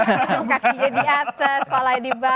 kayang kaki di atas kepala di bawah